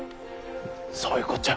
そういうこっちゃ。